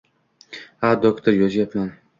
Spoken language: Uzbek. Ha, doktor yozayapman